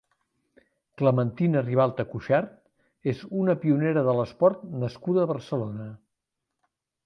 Clementina Ribalta Cuxart és una pionera de l’esport nascuda a Barcelona.